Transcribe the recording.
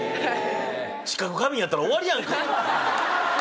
知覚過敏やったら終わりやんか！